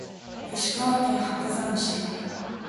石川県白山市